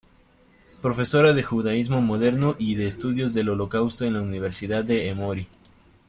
Profesora de Judaísmo Moderno y de Estudios del Holocausto en la Universidad de Emory.